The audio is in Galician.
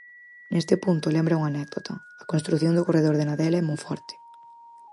Neste punto, lembra unha anécdota: a construción do corredor de Nadela a Monforte.